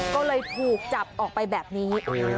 ก็เลยถูกจับออกไปแบบนี้